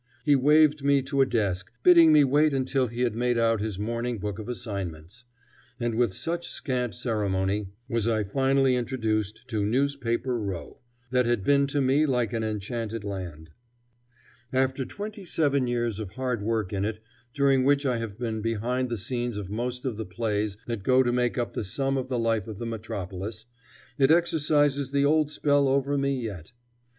He waved me to a desk, bidding me wait until he had made out his morning book of assignments; and with such scant ceremony was I finally introduced to Newspaper Row, that had been to me like an enchanted land. After twenty seven years of hard work in it, during which I have been behind the scenes of most of the plays that go to make up the sum of the life of the metropolis, it exercises the old spell over me yet.